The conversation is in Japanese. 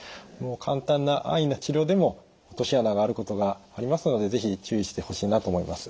簡単な安易な治療でも落とし穴があることがありますので是非注意してほしいなと思います。